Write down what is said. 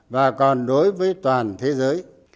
và còn đối với toàn thế giới